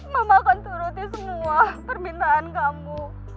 mama akan turutin semua permintaan kamu